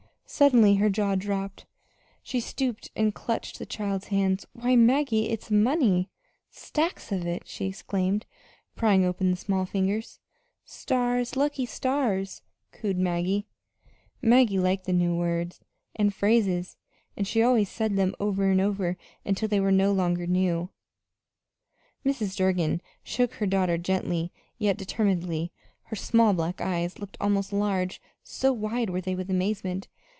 Suddenly her jaw dropped. She stooped and clutched the child's hands. "Why, Maggie, it's money stacks of it!" she exclaimed, prying open the small fingers. "Stars lucky stars!" cooed Maggie. Maggie liked new words and phrases, and she always said them over and over until they were new no longer. Mrs. Durgin shook her daughter gently, yet determinedly. Her small black eyes looked almost large, so wide were they with amazement.